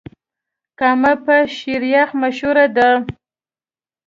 کامه په شيريخ مشهوره ده.